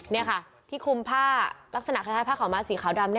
นี่ค่ะที่คลุมผ้าลักษณะคล้ายผ้าขาวม้าสีขาวดำ